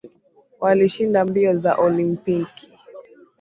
Walishinda mbio za olimpiki